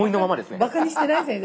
バカにしてない？